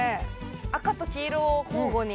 赤と黄色を交互に。